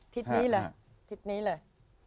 ทิศนี้เลยทิศนี้เลย